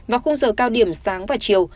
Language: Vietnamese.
vào khung giờ cao điểm sáng và chiều